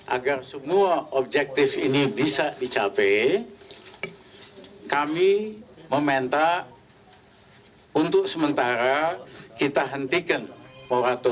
agar semua objektif ini bisa dicapai kami meminta untuk sementara kita hentikan moratorium